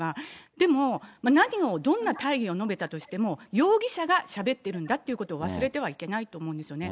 でも、何をどんな大義を述べたとしても、容疑者がしゃべっているんだということを忘れてはいけないと思うんですよね。